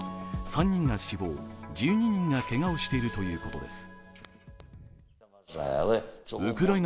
３人が死亡、１２人がけがをしているということです。